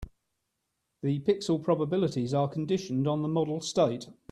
The pixel probabilities are conditioned on the model state.